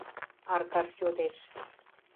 — Аркаш йодеш.